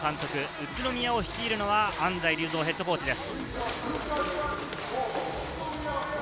宇都宮を率いるのは安齋竜三ヘッドコーチです。